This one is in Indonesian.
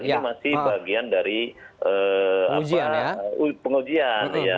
ini masih bagian dari pengujian